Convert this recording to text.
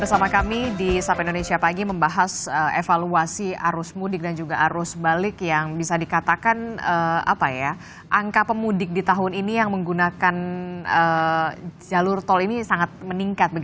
bersama kami di sapi indonesia pagi membahas evaluasi arus mudik dan juga arus balik yang bisa dikatakan angka pemudik di tahun ini yang menggunakan jalur tol ini sangat meningkat